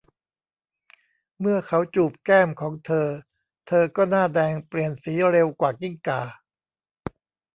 เมื่อเขาจูบแก้มของเธอเธอก็หน้าแดงเปลี่ยนสีเร็วกว่ากิ้งก่า